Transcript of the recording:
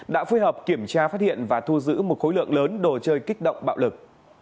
đã phối hợp kiểm tra phát hiện và thu giữ một khối lượng lớn đồ chơi kích động bạo lực